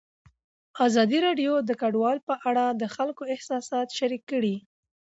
ازادي راډیو د کډوال په اړه د خلکو احساسات شریک کړي.